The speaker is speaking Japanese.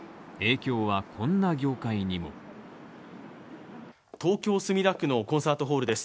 今日はこんな業界にも東京墨田区のコンサートホールです